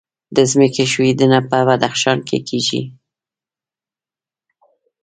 د ځمکې ښویدنه په بدخشان کې کیږي